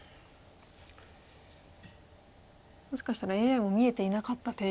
もしかしたらＡＩも見えていなかった手。